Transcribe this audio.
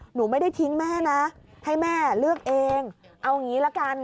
หนูไม่ได้ทิ้งแม่นะให้แม่เลือกเองเอาอย่างนี้ละกัน